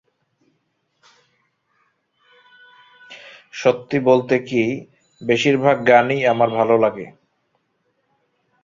সত্যি বলতে কি, বেশির ভাগ গানই আমার ভালো লাগে।